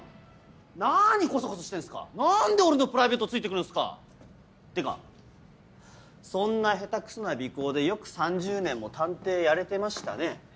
なにコソコソしてんすか⁉なんで俺のプライベートついて来るんすか⁉てかそんな下手くそな尾行でよく３０年も探偵やれてましたね。